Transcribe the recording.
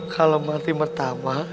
kalo mati pertama